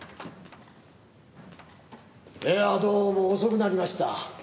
いやどうも遅くなりました。